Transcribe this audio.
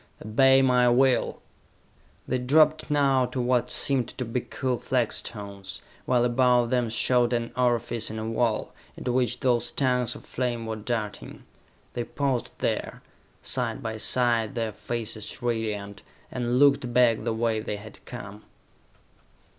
Obey my will!" They dropped now to what seemed to be cool flagstones, while above them showed an orifice in a wall, into which those tongues of flame were darting. They paused there, side by side, their faces radiant, and looked back the way they had come.